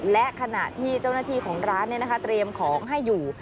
และขณะที่เจ้าหน้าที่ของร้านเตรียมของให้อยู่